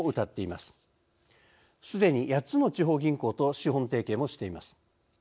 すでに、８つの地方銀行と資本提携もしています。